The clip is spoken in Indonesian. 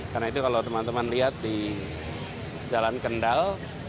karena itu kalau teman teman lihat di jalan kendal